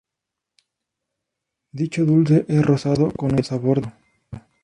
Dicho dulce es rosado con un sabor delicado.